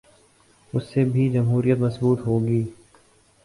اس سے بھی جمہوریت مضبوط ہو گی۔